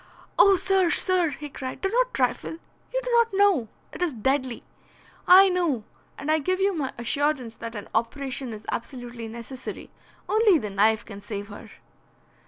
"Oh! sir, sir!" he cried. "Do not trifle. You do not know. It is deadly. I know, and I give you my assurance that an operation is absolutely necessary. Only the knife can save her."